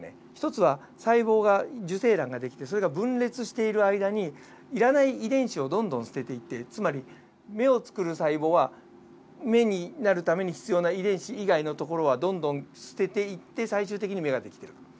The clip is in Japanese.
１つは細胞が受精卵ができてそれが分裂している間に要らない遺伝子をどんどん捨てていってつまり目を作る細胞は目になるために必要な遺伝子以外のところはどんどん捨てていって最終的に目ができてる。